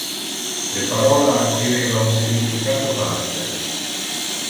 Le parola acquireva un significato vaste.